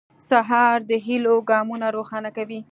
سهار د هيلو ګامونه روښانه کوي.